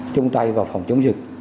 chung tay vào phòng chống dịch